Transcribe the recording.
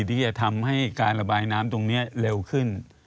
ที่จะทำให้การระบายน้ำตรงนี้เร็วขึ้น